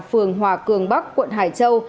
phường hòa cường bắc quận hải châu